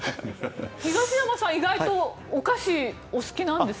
東山さんは意外とお菓子お好きなんですか？